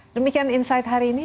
demikian insight hari ini